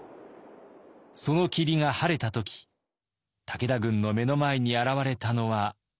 その霧が晴れた時武田軍の目の前に現れたのは。